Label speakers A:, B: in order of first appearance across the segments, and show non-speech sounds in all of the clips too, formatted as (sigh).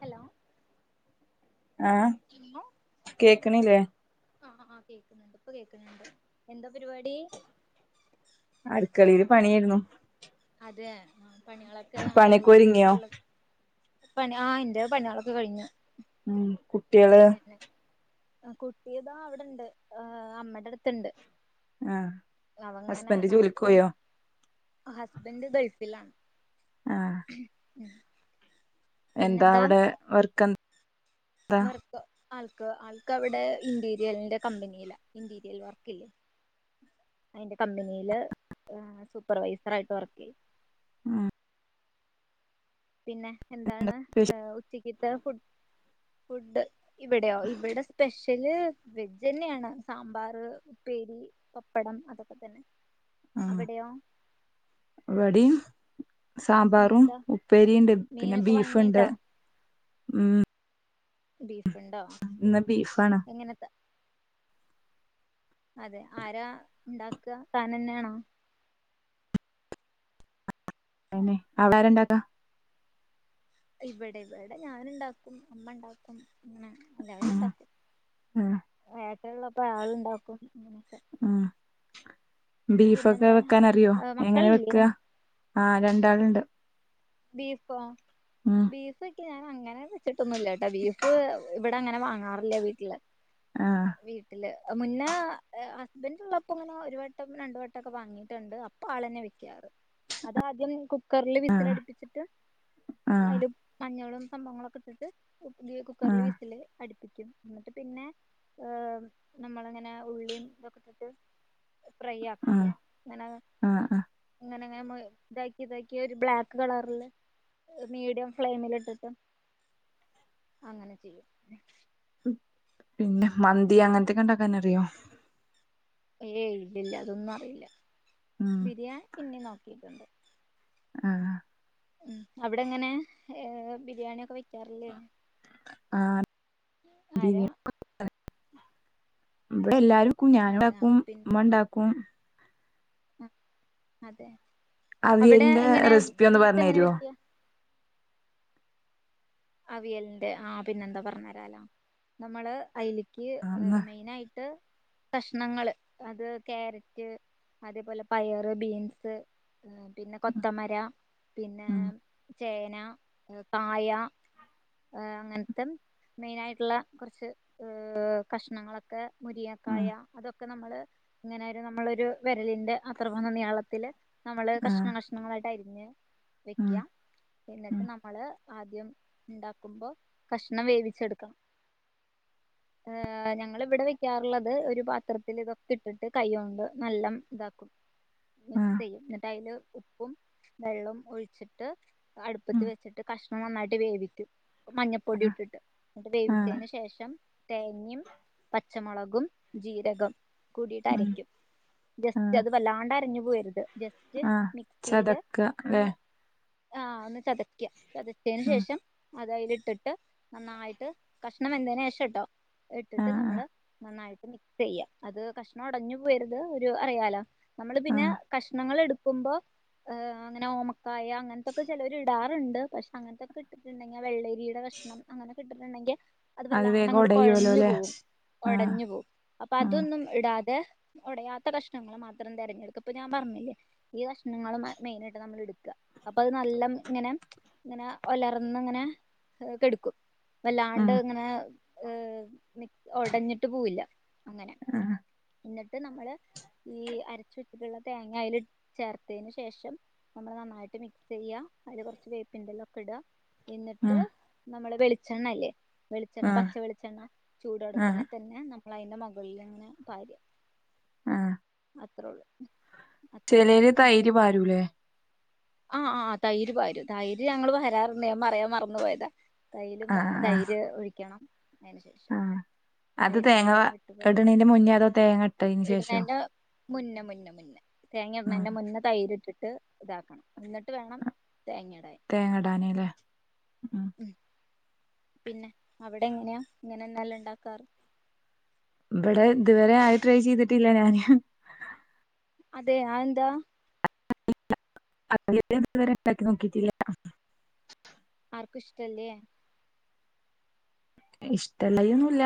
A: Hello
B: ആഹ്
A: പിന്നെ
B: കേക്ക്ണില്ലേ
A: ആഹ് ആഹ് കേക്ന്നുണ്ട് ഇപ്പൊ കേക്കുന്നുണ്ട് എന്താ പരിപാടി
B: അടുക്കളീല് പണിയായിരുന്നു
A: അതെ ആ പണിളൊക്കെ ആയൊ
B: പണിയൊക്കെ ഒരുങ്ങിയോ
A: ഉച്ചക്കതേക്കുള്ളേ പണി ആഹ് എന്റെ പണിളൊക്കെ കഴിഞ്ഞു
B: ഉം കുട്ടികള്
A: കുട്ടി ഇതാ അവിടെ ഒണ്ട് ആഹ് അമ്മേടെ അടുത്ത് ഒണ്ട്
B: ആഹ് ഹസ്ബൻഡ് ജോലിക്ക്
A: നടക്കാണ്
B: പോയോ
A: ഹസ്ബൻഡ് ഗൾഫിലാണ്
B: ആഹ്
A: ഉം
B: എന്താ
A: പിന്നെന്താ
B: അവടെ വർക്ക് എന്താ
A: വർക്ക് ആൾക്ക് ആൾക്ക് അവിടെ ഇന്റീരിയലിന്റെ കമ്പനീലാ ഇന്റീരിയൽ വർക് ഇല്ലേ. അയിന്റെ കമ്പനീല് ആഹ് സൂപ്പർവൈസർ ആയിട്ട് വർക്ക് ചെയ്യുന്നു
B: ഉം
A: പിന്നെ എന്താണ് ഏഹ് ഉച്ചക്കത്തെ ഫുഡ ഫുഡ്‌ ഇവടെയോ ഇവിടെ സ്പെഷ്യ- സ്പെഷ്യല് വെജ് തന്നെയാണ് സാമ്പാർ ഉപ്പേരി പപ്പടം അതൊക്കെ തന്നെ
B: ആഹ്
A: അവിടെയോ
B: ഇവിടെയും സാമ്പാറും
A: ഇന്നെന്താ
B: ഉപ്പേരിയുണ്ട് പിന്നെ
A: മീനൊക്കെ
B: ബീഫ് ഉണ്ട്
A: വാങ്ങിണ്ടോ
B: ഉം
A: ബീഫ് ഉണ്ടോ
B: ഇന്ന് ബീഫാണ്
A: എങ്ങനെത്തെ അതെ ആരാ ഇണ്ടാക്കുക താൻ തന്നെ ആണോ
B: അവിടെര (unintelligible)
A: ഇവിടെ ഇവിടെ ഞാനുണ്ടാക്കും അമ്മ ഉണ്ടാക്കും ഇങ്ങനെ- എല്ലാവരും
B: ഉം
A: ഇണ്ടാക്കും
B: ഉം
A: ഏട്ടൻ ഉള്ളപ്പോ ആളുണ്ടാക്കും അങ്ങനൊക്കെ
B: ഉം ബീഫൊക്കെ
A: പിന്നെന്താ
B: വെക്കാൻ അറിയോ എങ്ങനെ
A: മക്കളില്ലേ
B: വെക്കുക ആഹ് രണ്ടാളുണ്ട്
A: ബീഫോ
B: ആഹ്
A: ബീഫ് ഒക്കെ ഞാൻ അങ്ങനെ വെച്ചിട്ടൊന്നുമില്ല ട്ടൊ ബീഫ് ഇവിടെ അങ്ങനെ വാങ്ങാറില്ലേ വീട്ടില്
B: ആഹ്
A: വീട്ടില് മുന്നേ ഹസ്ബൻഡ് ഉള്ളപ്പോ ഇങ്ങനെ ഒരു വട്ടം രണ്ട് വട്ടം ഒക്കെ വാങ്ങിട്ടുണ്ട് അപ്പൊ ആള് തന്നെ വെക്കാറ് അത് ആദ്യം കുക്കറിൽ വിസിലടിപ്പ- പ്പിച്ചിട്ട്
B: ആഹ്
A: അതില് മഞ്ഞളും സംഭവങ്ങളൊക്കെ ഇട്ട് കുക്കറിൽ
B: ആഹ്
A: വിസില്- അടുപ്പിക്കും എന്നിട്ട് പിന്നെ ഏഹ് നമ്മള് ഇങ്ങനെ ഉള്ളിയും ഇതൊക്കെ ഇട്ട് - ഫ്രൈ ആക്കില്ലേ
B: ആഹ്
A: അങ്ങനെ
B: ആഹ് ആഹ്
A: ഇങ്ങനെ ഇങ്ങനെ ഇതാക്കി ഇതാക്കി ഒരു ബ്ലാക്ക്- കളറില് മീഡിയം ഫ്ലെയിമിൽ ഇട്ടിട്ട്- അങ്ങനെ ചെയ്യും
B: പിന്നെ മന്തി അങ്ങനത്തൊക്കെ ഉണ്ടാക്കാൻ അറിയോ
A: ഏയ് ഇല്ലല്ല അതൊന്നും അറിയില്ല
B: ഉം
A: ബിരിയാണി പിന്നെ നോക്കിട്ടുണ്ട്
B: ആഹ്
A: ഉം അവിടെങ്ങനെ ഏ ബിരിയാണിയൊക്കെ വെക്കാറില്ലേ?
B: ആഹ്
A: ആരാ?
B: ഇവിടെ എല്ലാരും ക്കും ഞാൻ
A: അതെ ആ
B: ഉണ്ടാക്കും ഉമ്മ ഉണ്ടാക്കും
A: ഉം അതെ അവിടെ
B: അവിയലിന്റെ
A: എങ്ങനെയാ
B: റെസിപ്പി ഒന്ന്
A: ബീഫ്
B: പറഞ്ഞു
A: എങ്ങനെ
B: തരുവോ
A: വയ്ക്കുക? അവിയലിന്റെ ആഹ് പിന്നെ എന്താ പറഞ്ഞ് തരാലൊ നമ്മള് അയില് ക്ക്
B: ആന്ന്
A: മെയിനായിട്ട് കഷണങ്ങള് അത് കാരറ്റ് അതേ പോലെ പയറ്, ബീൻസ് ഏ പിന്നെ കൊത്തമര പിന്നെ
B: ഉം
A: ചേന, കായ ഏ അങ്ങനത്തെ മെയിനായിട്ടുള്ള കുറച്ച് ഏ കഷ്ണങ്ങളൊക്കെ ക്കെ
B: ഉം
A: മുരിങ്ങക്കായ അതൊക്കെ നമ്മള് ഇങ്ങനെ ഒരു നമ്മളൊരു വിരലിന്റെ അത്ര പോന്ന നീളത്തില് നമ്മള് കഷ്ണം
B: ആഹ്
A: കഷ്ണം കഷ്ണങ്ങളായിട്ട് അരിഞ്ഞ്
B: ഉം
A: വയ്ക്കുക എന്നിട്ട്
B: ഉം
A: നമ്മള് ആദ്യം ഉണ്ടാക്കുമ്പോ കഷ്ണം വേവിച്ചെടുക്കണം. ഏഹ് ഞങ്ങള് ഇവിടെ വെക്കാറുള്ളത് ഒരു പാത്രത്തില് ഇതൊക്കെ ഇട്ടിട്ട് കൈ കൊണ്ട് നല്ലണം ഇതാക്കും (unintelligible) മിക്സ്
B: ആഹ്
A: ചെയ്യും. എന്നിട്ട് അതിൽ ഉപ്പും വെള്ളവും ഒഴിച്ചിട്ട് അടുപ്പത്തി
B: ഉം
A: വെച്ചിട്ട് കഷ് ണം നന്നായിട്ട് വേവിക്കു മഞ്ഞപ്പൊടി
B: ആഹ്
A: ഇട്ടിട്ട്. എന്നിട്ട്
B: ആഹ്
A: വേവിച്ചതിന് ശേഷം തേങ്ങയും, പച്ചമുളകും, ജീരകം കൂടിയിട്ട്
B: ഉം
A: അരയ്ക്കും. ജസ്റ്റ്
B: ആഹ്
A: അത് വല്ലാണ്ട് അരഞ്ഞു പോവരുത്. ജസ്റ്റ്
B: ആഹ്
A: മിക്സിയില്
B: ചതക്ക അല്ലെ
A: ഒന്ന് ആഹ് ഒന്ന് ചതയ്ക്കുക ചതച്ചതിന്
B: ഉം
A: ശേഷം അത് അതില് ഇട്ടിട്ട് നന്നായിട്ട് കഷ്ണം വെന്തതിന് ശേഷട്ടോ. ഇട്ടിട്ട്
B: ആഹ് ആഹ്
A: നമ്മള് നന്നായിട്ട് മിക്സ് ചെയ്യാ അത് കഷ്ണം ഒടഞ്ഞു പോവരുത് ഒരു അറിയാലോ നമ്മള് പിന്നെ
B: ആഹ്
A: കഷ്ണങ്ങളെ ടുക്കുമ്പോ ഏ അങ്ങന ഓമക്കായ അങ്ങൻത്തൊക്കെ ചെലര് ഇടാറുണ്ട് പക്ഷെ അങ്ങനത്തൊക്കെ ഇട്ടിട്ടുണ്ടെങ്കി വെള്ള രീടെ കഷ്ണം അങ്ങനൊക്കെ ഇട്ടിട്ടുണ്ടെങ്കിൽ അത് വല്ലാണ്ട്
B: വേഗം
A: അങ്ങട്ട്
B: ഒടയുവല്ലോ
A: കൊഴഞ്ഞു
B: അല്ലെ
A: പോവും.
B: ആഹ്
A: ഒടഞ്ഞു പോവും. അപ്പൊ
B: ആഹ്
A: അതൊന്നും ഇടാതെ ഒടയാത്ത കഷ്ണങ്ങൾ മാത്രം തെരഞ്ഞെട്ക്ക ഇപ്പ ഞാൻ പറഞ്ഞില്ലേ. ഈ കഷ്ണങ്ങൾ മ മെയിനായിട്ട് നമ്മൾ എട്ക്ക അപ്പ അത് നല്ലം ഇങ്ങനെ ഇങ്ങനെ ഒലർ ന്ന്ങ്ങനെ കെട്ക്കും വല്ലാണ്ട്
B: ഉം
A: ഇങ്ങനെ ഏഹ് മി ഒടഞ്ഞിട്ട് പോവില്ല. അങ്ങനെ.
B: ആഹ്
A: എന്നിട്ട് നമ്മള് ഈ അരച്ച് വച്ചിട്ട്ള്ള തേങ്ങ അയില് ചേർത്തയിന് ശേഷം ന്നമ്മള് നന്നായിട്ട് മിക്സ് ചെയ്യാ അതില് കൊർച്ച് വേപ്പിന്റെല ഒക്കെ ഇടുക എന്നിട്ട്
B: ഉം
A: നമ്മള് വെളിച്ചെണ്ണല്ലേ വെളിച്ചെണ്ണ
B: ആഹ്
A: പച്ച വെളിച്ചെണ്ണ
B: ആഹ്
A: ചൂടോട്ക്കനെ തന്നെ. പിന്നെ നമ്മളയ്ന്റെ മൊകൾ ലങ്ങനെ പാരുക
B: ആഹ്
A: അത്രേള്ളൂ.
B: ചെലെര് തൈര് പാരൂലെ?
A: ആഹ് ആഹ് തൈര് പാരും തൈര് ഞങ്ങൾ പാരാർണ്ട് ഞാൻ പറയാൻ മറന്ന് പോയതാ. അയിലും പ
B: ആഹ് ആഹ്
A: തൈര് ഒഴിക്കണം. അതിന് ശേഷം
B: ആഹ് അത്
A: തൈരിന്റെ
B: തേങ്ങ വ
A: കാര്യം വിട്ടുപോയി
B: ഇട്ണെന്റെ മുന്നേ അതോ തേങ്ങ ഇട്ടതിന് ശേഷോ?
A: മുന്ന മുന്ന മുന്ന തേങ്ങ
B: ഉം
A: ഇട്ണെന്റെ മുന്നേ തൈര്ട്ട്ട്ട് ഇതാക്കണം. എന്നിട്ട് വേണം തേങ്ങ ഇടാൻ.
B: തേങ്ങടാന് ല്ലെ ഉം.
A: ഉം പിന്നെ അവടെങ്ങനെയാ ഇങ്ങനനെല്ല ഇണ്ടാക്കാർ.
B: ഇബടെ ഇത് വരെ അയ് ട്രൈ ചെയ്തിട്ടില്ല ഞാൻ
A: അതെ അയ്ന്താ.
B: ഇല്ല അത് ഇതുവരെ ഉണ്ടാക്കി നോക്കിട്ടില്ല. ട്ടാ
A: ആർക്കുംഷ്ടല്ലേ.
B: ഇഷ്ടല്ലായിഒന്നുല്ല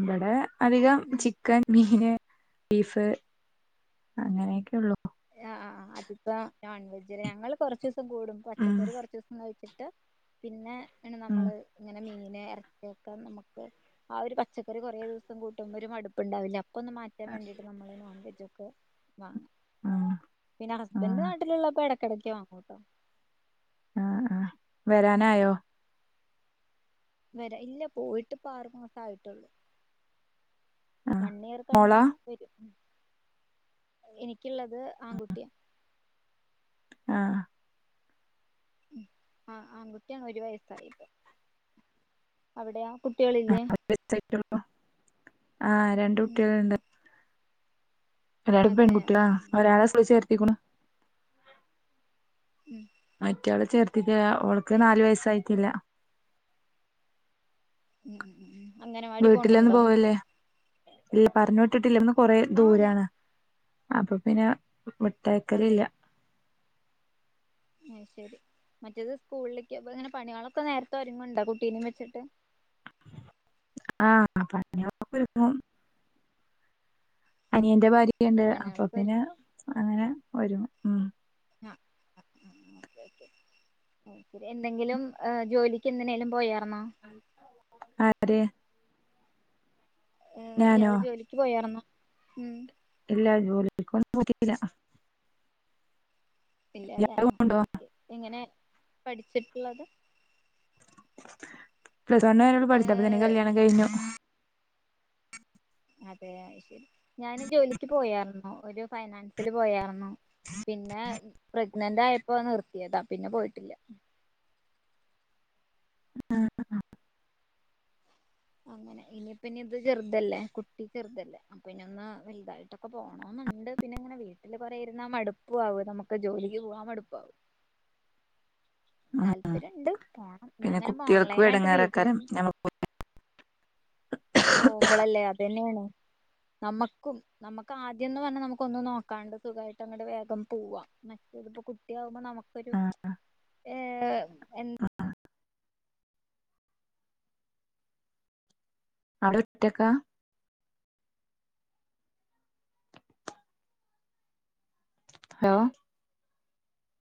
B: ഇവടെ അധികം
A: ഉം
B: ചി ക്കൻ മീന് ബീഫ് അങ്ങനെയെക്കെള്ളൂ.
A: എ ആഹ് ആഹ് ആഹ് അതിപ്പോ നോൺ വെജരെ ഞങ്ങൾ കൊർച്ചോസം കൂടുമ്പം
B: ഉം
A: പച്ചക്കറി കൊർച്ചൂസം കഴി ഇട്ട് പിന്നെ
B: ഉം
A: നമ്മള് ഇങ്ങനെ മീൻ എർ കേക്കാം നമുക്ക് ആ ഒരു പച്ചക്കറി കുറേ ദിവസം കൂട്ടുമ്പോ ഒര്മട്പ്പ് ണ്ടാവില്ലേ അപ്പൊന്ന് മാ റ്റാൻ മേണ്ടിട്ട് നമ്മള് നോൺവെജൊക്കെ വാങ്ങും.
B: ആഹ്
A: പിന്ന ഹസ്ബന്റെ നാട്ടിലുള്ളപ്പോ എടക്കടയ്ക്ക് വാങ്ങൂട്ടൊ.
B: ആഹ് ആഹ് വരാനായോ.
A: വരാ ഇല്ല പോയിട്ട് ഇപ്പ ആർ മാസയിട്ടുള്ളൂ.
B: ആഹ്
A: വൺ ഇയർ കഴിഞ്ഞ
B: മോളാ
A: വരും എനിക്കിള്ളത് ആൺകുട്ടിയ.
B: ആഹ് ആഹ്
A: ആഹ് ആഹ് ആൺകുട്ടിയാണ് ഒരു വയസ്സായിപ്പ അവിടയോ കുട്ടികളില്ലേ.
B: (unintelligible) ആ
A: ഉം
B: രണ്ടുട്ട്യൾണ്ട്. ഒരാള്
A: അതെ
B: പെൺകുട്ട്യാ ഒരാളെ സ്കൂൾ ചേർത്തിക്ക്ണു.
A: ഉം
B: മാറ്റാളെ ചേർത്തില്ല ഓൾക്ക്
A: അത്
B: നാല്
A: ശരി
B: വയസ്സായിട്ടില്ല
A: ഉം ഉം അംഗനവാടി
B: വീട്ടിലെന്നും
A: പോണുണ്ടോ
B: പോവല്ലേ. ഇല്ല പറഞ്ഞ് വിട്ടിട്ട്ല്ല ഒന്ന് കൊറ
A: ആ ഞാ
B: ദൂരാണ് അപ്പൊ പിന്നെ.
A: അതെ
B: മിട്ടയക്കൽലില്ല
A: ഉം ശരി മറ്റേത് സ്കൂളിലേക്ക് വ് ങ്ങനെ പണിളൊക്കെ നേരത്തെഒര്ങ്ങ്ണ്ടോ കുട്ടീനെം വെച്ചിട്ട്.
B: ആഹ് പണി (unintelligible) അപ്പൊര്ങ്ങും. അനിയന്റെ ഭാര്യയ്ണ്ട് അപ്പൊ
A: പണികളൊക്കെ ഒരു
B: പിന്നെ അങ്ങനെ ഒര്ങ്ങു ഉം.
A: (unintelligible) Okay okay. ഓ ശരി എന്തെങ്കിലും ഏ ജോലിക്ക് എന്തിനേലും പോയറുന്നോ
B: ആര്
A: ഏ
B: ഞാനോ
A: ഇയാള് ജോലിക്ക് പോയാർന്നോ ഉം
B: ഇല്ലാ ജോലിക്കൊന്നും പോയിട്ടില്ല
A: ഇല്ല അല്ലേ
B: ഇയാള്
A: ഓക്കെ
B: പോവുണ്ടോ
A: ഓക്കെ എങ്ങനെ പഠിച്ചിട്ടുള്ളത്
B: പ്ലസ് വണ്ണ് പഠിച്ചപ്പൊ തന്നെ കല്യാണം കഴിഞ്ഞു
A: അതെ ശരി ഞാന് ജോലിക്ക് പോയാർന്നു ഒരു ഫൈനാൻസില് പോയാർന്നു പിന്നെ പ്രഗ്നന്റ് ആയപ്പോ നിർത്തിയതാ പിന്നെ പോയിട്ടില്ല
B: ആഹ്
A: അങ്ങനെ ഇനിയിപ്പ ഇനി ഇത് ചെറുതല്ലേ കുട്ടി ചെറുതല്ലേ അപ്പൊ ഇനി ഒന്ന് വലുതായിട്ടൊക്കെ പോകണം ആന്നുണ്ട് പിന്നെ ഇങ്ങനെ വീട്ടില് കുറെ ഇരുന്ന മടുപ്പ് ആവും നമുക്ക് ജോലിക്ക് പോവാൻ മടുപ്പാവും
B: ഉം
A: താല്പര്യംണ്ട് പോകണം ഞാൻ
B: പിന്നെ
A: ഇങ്ങനെ
B: കുട്ടികൾക്കും
A: ഓൺലൈനായിട്ട്
B: എടങ്ങേറേക്കാരം
A: വീട്ടിലിരുന്നു
B: ഞമ്മ
A: പോമ്പളല്ലേ അതന്നെയാണ് നമുക്കും നമുക്ക് ആദ്യംന്ന് പറഞ്ഞാൽ നമുക്ക് ഒന്നും നോക്കാണ്ട് സുഖമായിട്ട് അങ്ങടെ വേഗം പോവാ ഇപ്പം കുട്ടിയകുമ്പോ നമുക്കൊരു
B: ആഹ്
A: ഏ
B: അവിടെ ഒറ്റക്കാ ഹലോ